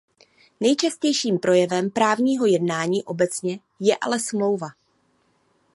Nejčastějším projevem právního jednání obecně je ale smlouva.